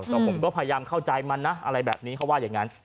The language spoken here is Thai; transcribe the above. แต่ผมก็พยายามเข้าใจมันนะอะไรแบบนี้เขาว่าอย่างนั้น